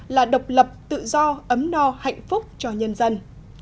là độc lập tự do ấm no hạnh phúc cho nhân dân